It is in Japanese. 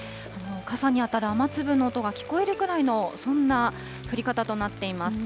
傘に当たる雨粒の音が聴こえるぐらいの、そんな降り方となっています。